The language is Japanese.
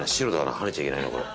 はねちゃいけないなこれ。